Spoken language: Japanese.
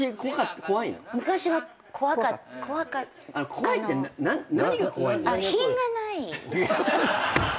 怖いって何が怖いの？